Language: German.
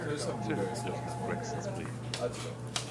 Philip griff nach Gregsons Brief.